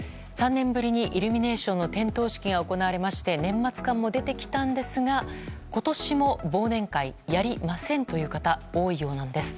３年ぶりにイルミネーションの点灯式が行われまして年末感も出てきたんですが今年も忘年会やりませんという方多いようなんです。